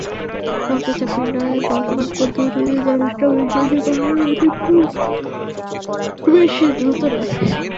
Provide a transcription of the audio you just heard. রক্তের চাপ নির্ণয়ের বর্তমান পদ্ধতিটি যথেষ্ট বিশ্বাসযোগ্য হলেও এটি খুব বেশি দ্রুত নয়।